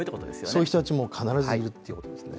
そういう人たちも必ずいるということですね